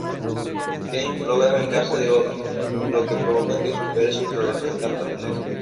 Ken logra vengarse de Otto, lo que provoca que supere sus problemas de tartamudez.